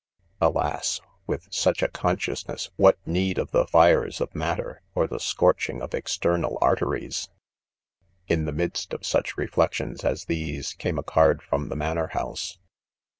Alas ! with such a consciousness, THE CONFESSIONS. 123 what 'need of the fbe,S| of matter, o.r the scorch ing, of external arteries 1 , 'In the midst of such reflections as these, came a card from the "manor house."